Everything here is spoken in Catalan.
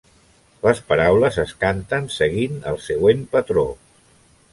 Les paraules es canten seguint el següent patró.